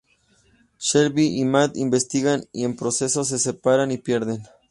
Shelby y Matt investigan, y en el proceso, se separan y pierden.